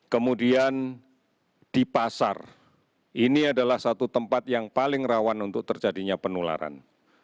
kemudian di pasar ini adalah satu tempat yang paling rawan untuk terjadinya penularan